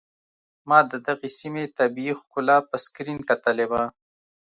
ما د دغې سيمې طبيعي ښکلا په سکرين کتلې وه.